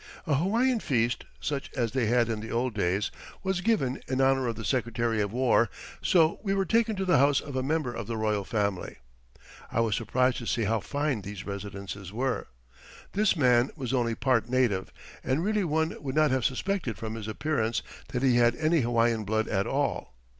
A Hawaiian feast, such as they had in the old days, was given in honour of the Secretary of War, so we were taken to the house of a member of the royal family. I was surprised to see how fine these residences were. This man was only part native, and really one would not have suspected from his appearance that he had any Hawaiian blood at all.